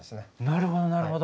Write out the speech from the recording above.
なるほどなるほど。